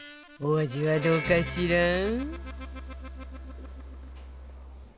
お味はどうかしら？